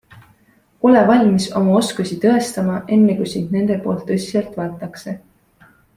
Ole valmis oma oskusi tõestama enne kui sind nende poolt tõsiselt võetakse.